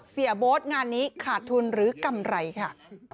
เสียโบ๊ทงานนี้ขาดทุนหรือกำไรค่ะ